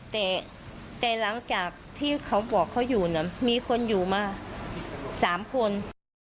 แต่หลังจากที่เขาบอกเขาอยู่มีคนอยู่มา๓คน